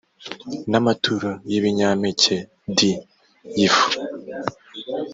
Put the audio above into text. n amaturo y ibinyampeke d y ifu